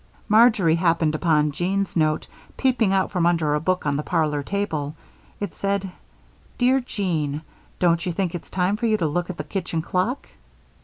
Marjory happened upon Jean's note peeping out from under a book on the parlor table. It said: "Dear Jean: Don't you think it's time for you to look at the kitchen clock?"